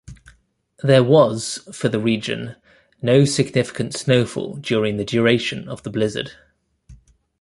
There was, for the region, no significant snowfall during the duration of the blizzard.